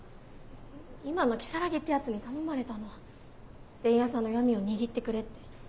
今の如月ってヤツに頼まれたの伝弥さんの弱みを握ってくれって。